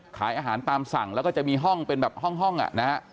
ขายอาหารตามสั่งแล้วก็จะมีห้องเป็นแบบห้องอ่ะนะฮะ